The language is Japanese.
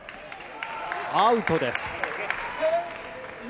アウトです。